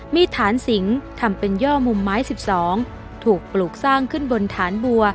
มีฐานสิงทำเป็นย่อมุมไม้๑๒ถูกปลูกสร้างขึ้นบนฐานบัว